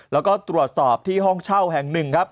แล้วก็ตรวจสอบที่ห้องเช่าแห่งหนึ่งครับ